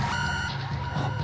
あっ。